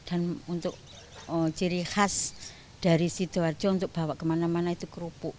dan untuk ciri khas dari sidoarjo untuk bawa kemana mana itu kerupuk